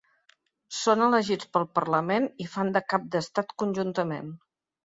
Són elegits pel parlament i fan de cap d’estat conjuntament.